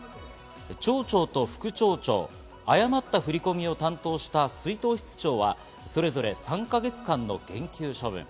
町長と副町長、誤った振り込みを担当した出納室長は、それぞれ３か月間の減給処分。